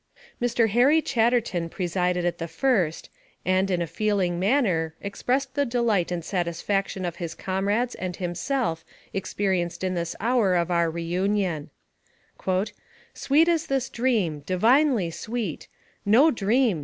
Mr. Harry Chatterton presided at the first, and, in a feeling manner, expressed the delight and satisfaction his comrades and himself experienced in this hour of our re union :" Sweet is this dream divinely sweet No dream